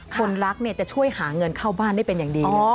คนรักจะช่วยหาเงินเข้าบ้านได้เป็นอย่างดี